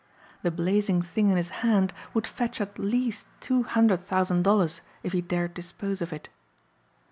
The blazing thing in his hand would fetch at least two hundred thousand dollars if he dared dispose of it.